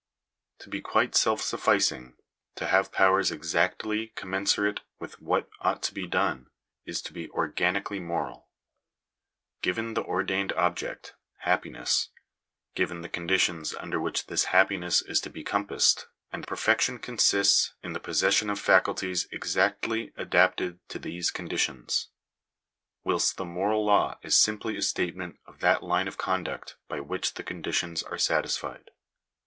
To be quite self sufficing — to have powers exactly commensurate with what ought to be done, is to be organically moral. Given the ordained object — happiness ; given the conditions under which this happiness is to be compassed ; and perfection consists in the possession of faculties exactly adapted to these conditions : whilst the moral law is simply a statement of that line of conduct by which the conditions are satisfied.